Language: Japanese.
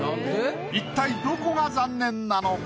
一体どこが残念なのか？